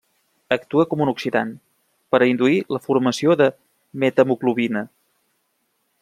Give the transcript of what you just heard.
Actua com un oxidant, per a induir la formació de metahemoglobina.